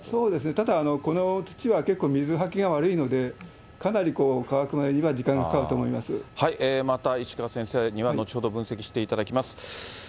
ただ、この土は結構水はけが悪いので、かなり乾くまでには時間がかかると思いままた石川先生には後ほど分析していただきます。